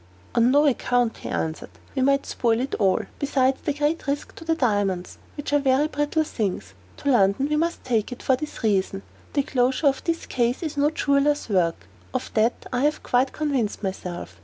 "On no account," he answered; "we might spoil it all; besides the great risk to the diamonds, which are very brittle things. To London we must take it, for this reason the closure of this case is no jeweler's work; of that I have quite convinced myself.